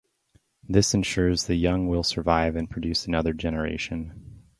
This ensures the young will survive and produce another generation.